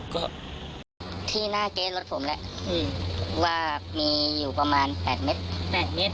ก็ที่หน้าเก๊รถผมแหละว่ามีอยู่ประมาณ๘เมตร๘เมตร